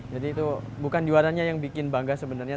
jadi itu bukan juara nya yang bikin bangga sebenarnya